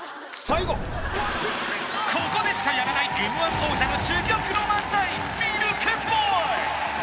ここでしかやらないＭ−１王者の珠玉の漫才